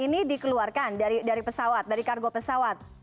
ini dikeluarkan dari pesawat dari kargo pesawat